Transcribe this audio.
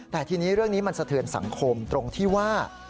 แต่ทีนี้เรื่องนี้มันสะเทือนสังคมตรงที่ว่า